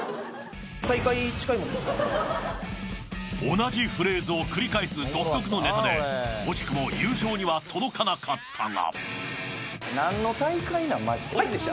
同じフレーズを繰り返す独特のネタで惜しくも優勝には届かなかったが。